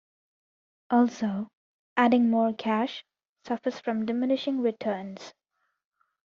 Also, adding more cache suffers from diminishing returns.